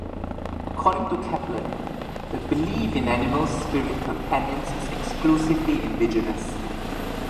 According to Kaplan, the belief in animal spirit companions is exclusively indigenous.